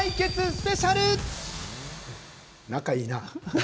仲いいな。